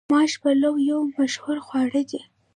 ماش پلو یو مشهور خواړه دي.